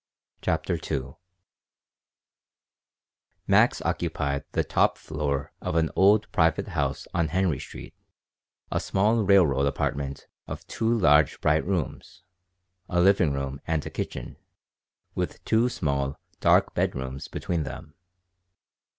CHAPTER II MAX occupied the top floor of an old private house on Henry Street, a small "railroad" apartment of two large, bright rooms a living room and a kitchen with two small, dark bedrooms between them.